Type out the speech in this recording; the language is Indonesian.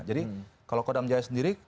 jadi kalau kodam jaya sendiri